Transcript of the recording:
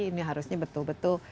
ini harusnya betul betul